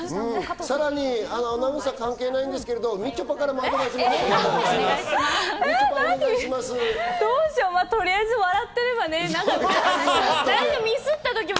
さらにアナウンサー関係ないんですけど、みちょぱからも。